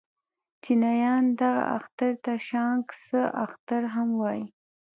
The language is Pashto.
چينایان دغه اختر ته شانګ سه اختر هم وايي.